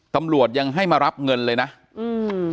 ตำรวจยังให้มารับเงินเลยนะอืม